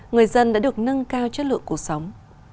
người dân đã được nâng cao chất lượng cuộc sống